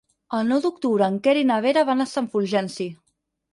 El nou d'octubre en Quer i na Vera van a Sant Fulgenci.